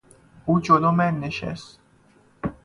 او جلو من نشست.